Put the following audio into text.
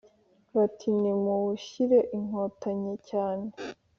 Bati: nimuwushyire Inkotanyi cyane